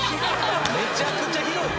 「めちゃくちゃ広い！」